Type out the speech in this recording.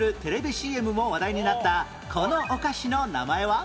ＣＭ も話題になったこのお菓子の名前は？